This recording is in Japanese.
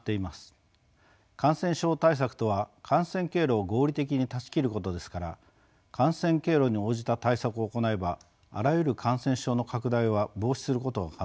感染症対策とは感染経路を合理的に断ち切ることですから感染経路に応じた対策を行えばあらゆる感染症の拡大は防止することが可能です。